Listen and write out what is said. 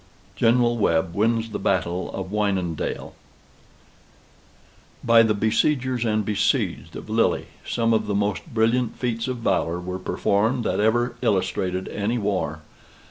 GENERAL WEBB WINS THE BATTLE OF WYNENDAEL. By the besiegers and besieged of Lille, some of the most brilliant feats of valor were performed that ever illustrated any war.